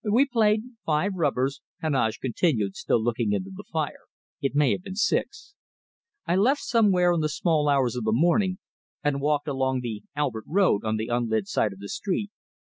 "We played five rubbers," Heneage continued, still looking into the fire; "it may have been six. I left somewhere in the small hours of the morning, and walked along the Albert Road on the unlit side of the street.